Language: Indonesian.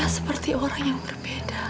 seperti orang yang berbeda